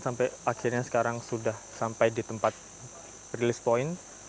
sampai akhirnya sekarang sudah sampai di tempat rilis point